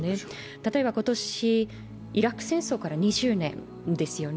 例えば今年イラク戦争から２０年ですよね。